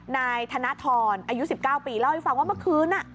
นายธนทรอายุ๑๙ปีเล่าให้ฟังว่าเมื่อคืน